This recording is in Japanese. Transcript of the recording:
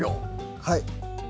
はい。